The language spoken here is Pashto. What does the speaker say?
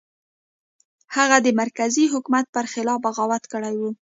هغه د مرکزي حکومت پر خلاف بغاوت کړی و.